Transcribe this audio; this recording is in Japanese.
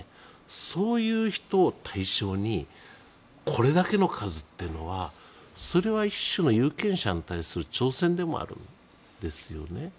そういう人を対象にこれだけの数というのはそれは一種の、有権者に対する挑戦でもあるんですよね。